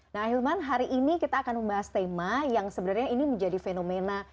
nah hilman hari ini kita akan membahas tema yang sebenarnya ini menjadi fenomena